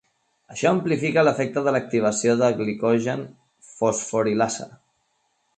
Això amplifica l'efecte de l'activació de glicogen fosforilasa.